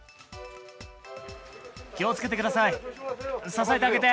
気をつけてください。